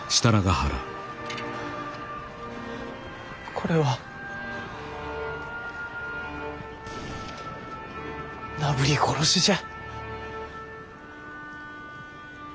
これはなぶり殺しじゃ。